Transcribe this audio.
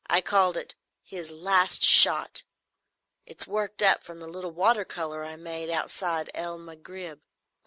I called it "His Last Shot." It's worked up from the little water colour I made outside El Maghrib.